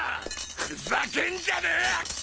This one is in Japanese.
ふざけんじゃねえ！